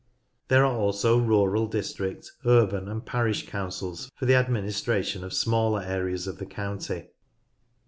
There are also Rural District, Urban, and Parish Councils, for the administra tion of smaller areas of the county.